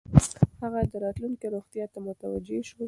هغه د راتلونکې روغتیا ته متوجه شو.